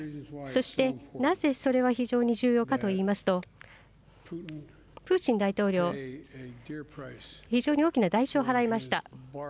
そして、なぜそれは非常に重要かといいますと、プーチン大統領、非常に大きな代償を払いました。